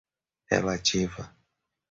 relativa